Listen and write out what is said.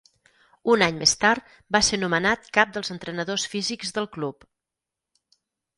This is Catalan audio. Un any més tard va ser nomenat cap dels entrenadors físics del club.